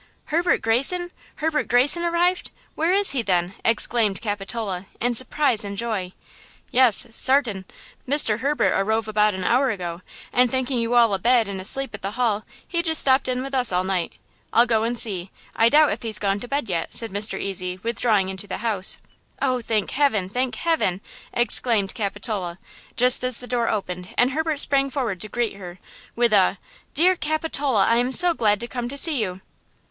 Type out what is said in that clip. "Herbert Greyson! Herbert Greyson arrived! Where is he, then?" exclaimed Capitola, in surprise and joy. "Yes, sartain! Mr. Herbert arrove about an hour ago, and thinking you all abed and asleep at the Hall, he just stopped in with us all night! I'll go and see–I doubt if he's gone to bed yet," said Mr. Ezy, withdrawing into the house. "Oh, thank heaven! thank heaven!" exclaimed Capitola, just as the door opened and Herbert sprang forward to greet her with a– "Dear Capitola! I am so glad to come to see you!"